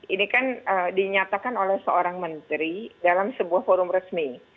ini kan dinyatakan oleh seorang menteri dalam sebuah forum resmi